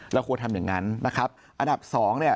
เราควรทำอย่างนั้นนะครับอันดับสองเนี่ย